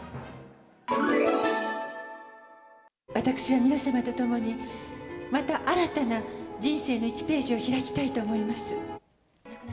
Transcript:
私は皆様と共に、また新たな人生の１ページを開きたいと思います。